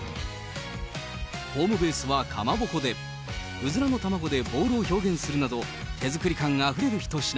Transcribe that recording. ホームベースはかまぼこで、うずらの卵でボールを表現するなど、手作り感あふれる一品。